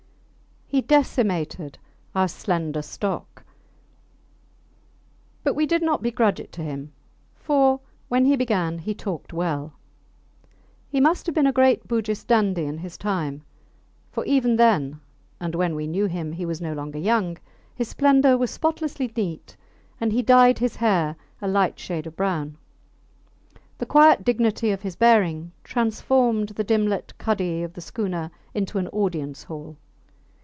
He decimated our slender stock; but we did not begrudge it to him, for, when he began, he talked well. He must have been a great Bugis dandy in his time, for even then (and when we knew him he was no longer young) his splendour was spotlessly neat, and he dyed his hair a light shade of brown. The quiet dignity of his bearing transformed the dim lit cuddy of the schooner into an audience hall.